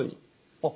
あっ。